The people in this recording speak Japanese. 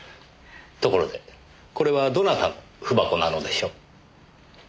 ところでこれはどなたの文箱なのでしょう？